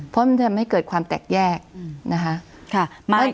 เพราะมันทำให้เกิดความแตกแยกนะคะ